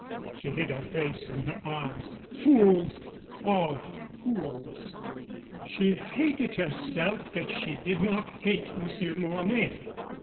She hid her face in her arms. Fools! all fools! She hated herself that she did not hate Monsieur Mornay.